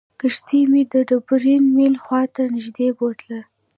کښتۍ مې د ډبرین میل خواته نږدې بوتلله.